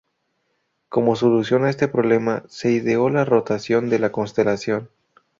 Como solución a este problema se ideó la rotación de la constelación.